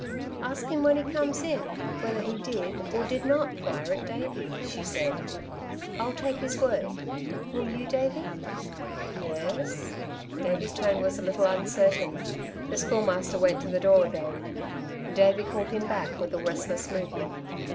"Ask him when he comes in, whether he did, or did not fire at Davey," she said. "I'll take his word. Will you, Davey?" "Yes." Davey's tone was a little uncertain. The Schoolmaster went to the door again. Davey called him back with a restless movement.